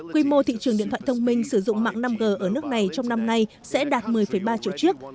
quy mô thị trường điện thoại thông minh sử dụng mạng năm g ở nước này trong năm nay sẽ đạt một mươi ba triệu chiếc